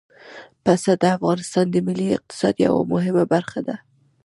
پسه د افغانستان د ملي اقتصاد یوه مهمه برخه ده.